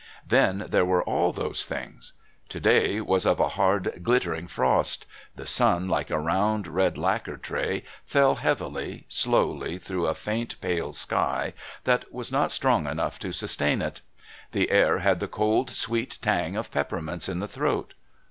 Then there were all those things. To day was of a hard, glittering frost; the sun, like a round, red lacquer tray, fell heavily, slowly through a faint pale sky that was not strong enough to sustain it. The air had the cold, sweet twang of peppermints in the throat.